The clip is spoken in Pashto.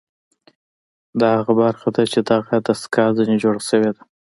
دا هغه برخه ده چې دغه دستګاه ځنې جوړه شوې ده